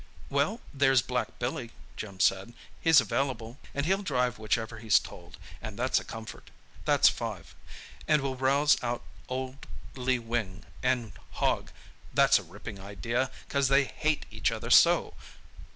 "Well, there's black Billy," Jim said; "he's available, and he'll drive whichever he's told, and that's a comfort. That's five. And we'll rouse out old Lee Wing, and Hogg, that's a ripping idea, 'cause they hate each other so.